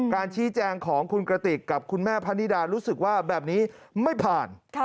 การชี้แจงของคุณกระติกกับคุณแม่พะนิดารู้สึกว่าแบบนี้ไม่ผ่าน